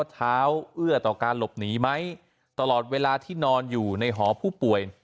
เท้าเอื้อต่อการหลบหนีไหมตลอดเวลาที่นอนอยู่ในหอผู้ป่วย